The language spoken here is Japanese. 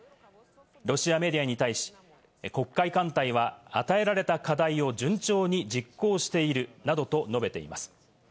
ロシアメディアに対し、黒海艦隊は与えられた課題を順調に実行しているなどと述べています。